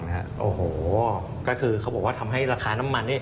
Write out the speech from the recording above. โอ้โหก็คือเขาบอกว่าทำให้ราคาน้ำมันนี่